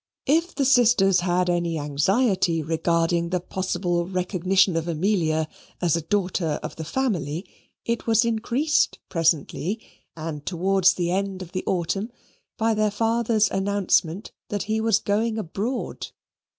If the sisters had any anxiety regarding the possible recognition of Amelia as a daughter of the family, it was increased presently, and towards the end of the autumn, by their father's announcement that he was going abroad.